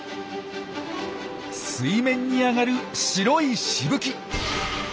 水面に上がる白いしぶき！